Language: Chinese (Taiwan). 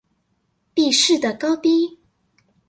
地勢的高低